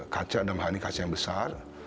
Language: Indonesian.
kaca dan bahannya kaca yang besar